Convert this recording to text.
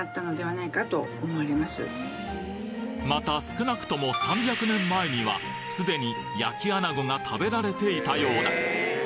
また少なくとも３００年前にはすでに焼き穴子が食べられていたようだ